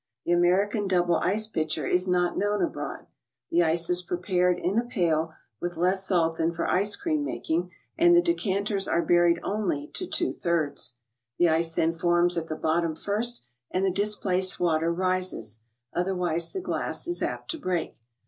The American double ice pitcher is not known abroad. The ice is prepared in a pail, with less salt than for ice cream making, and the de¬ canters are buried only to two thirds. The ice then forms at the bottom first, and the displaced water rises ; other¬ wise the glass is apt to break.